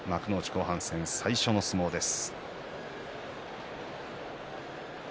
後半戦、最初の相撲です。